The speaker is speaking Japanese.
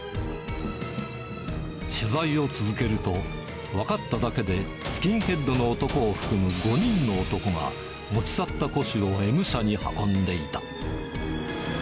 取材を続けると、分かっただけでスキンヘッドの男を含む５人の男が、持ち去った古紙をＭ社に運んでいた。